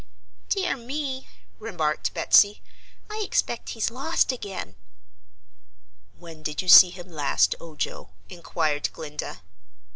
"Dear me," remarked Betsy, "I expect he's lost again!" "When did you see him last, Ojo?" inquired Glinda.